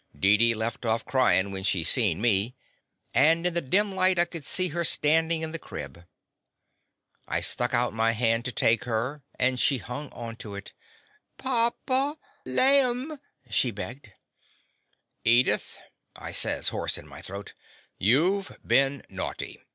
Deedee left off cryin' when she seen me, and in the dim light I could see her standin' in the crib. I stuck out my hand to take her, and she hung on to it. "Papa, laim!" she begged. "Edith," I says, hoarse in my throat, "you 've been naughty.